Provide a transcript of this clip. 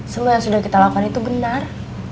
semua yang sudah kita lakukan itu benar